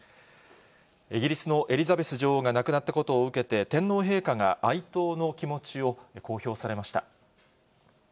イギリスのエリザベス女王が亡くなったことを受けて、天皇陛下が哀悼の気持ちを公表されました。